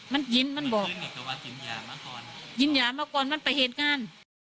มันยิ้มมันบอกมันยิ้มยามาก่อนมันประเหตุงาน